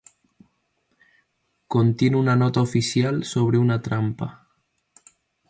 Contiene una nota oficial sobre una trampa.